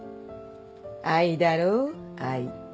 愛だろう愛。